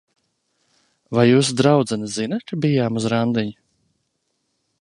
Vai jūsu draudzene zina, ka bijām uz randiņu?